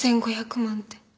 １５００万って。